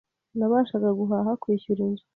nabashaga guhaha, kwishyura inzu